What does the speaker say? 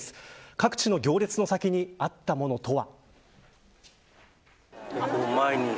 各地の行列の先にあったものとは。